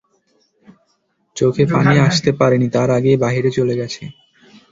চোখে পানি আসতে পারে নি তার আগেই বাহিরে চলে গেছে।